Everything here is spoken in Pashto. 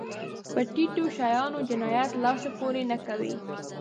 په ټيټو شیانو جنایت لاس پورې نه کوي.